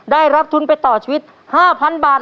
ได้รับทุนไปต่อชีวิต๕๐๐๐บาท